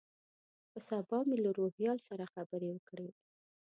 په سبا مې له روهیال سره خبرې وکړې.